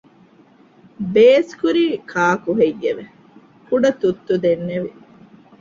ބޭސްކުރީ ކާކުހެއްޔެވެ؟ ކުޑަތުއްތު ދެންނެވި